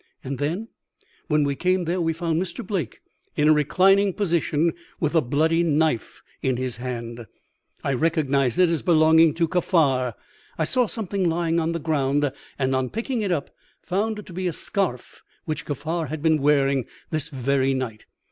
"'And then?' "'When we came there we found Mr. Blake in a reclining position, with a bloody knife in his hand. I recognized it as belonging to Kaffar. I saw something lying on the ground, and, on picking it up, found it to be a scarf which Kaffar had been wearing this very night.